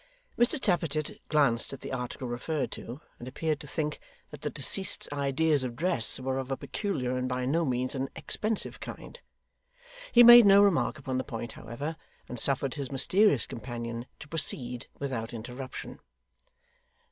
Mr Tappertit glanced at the article referred to, and appeared to think that the deceased's ideas of dress were of a peculiar and by no means an expensive kind. He made no remark upon the point, however, and suffered his mysterious companion to proceed without interruption.